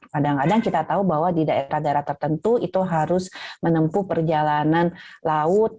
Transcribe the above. kadang kadang kita tahu bahwa di daerah daerah tertentu itu harus menempuh perjalanan laut